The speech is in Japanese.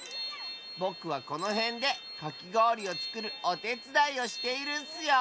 ぼくはこのへんでかきごおりをつくるおてつだいをしているッスよ。